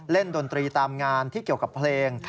ดนตรีตามงานที่เกี่ยวกับเพลง